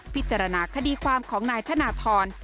พิจารณาคดีความของนายธนทร